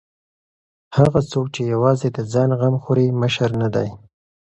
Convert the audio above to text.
هغه څوک چې یوازې د ځان غم خوري مشر نه دی.